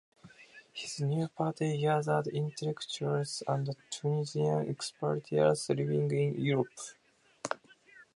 His new party gathered intellectuals and Tunisian expatriates living in Europe.